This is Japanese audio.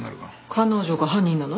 彼女が犯人なの？